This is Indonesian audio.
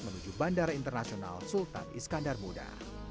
menuju bandara internasional sultan iskandar muda